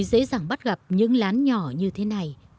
dễ dàng bắt gặp những lán nhỏ như thế này